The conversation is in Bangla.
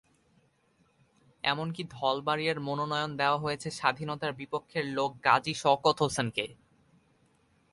এমনকি ধলবাড়িয়ায় মনোনয়ন দেওয়া হয়েছে স্বাধীনতার বিপক্ষের লোক গাজী শওকত হোসেনকে।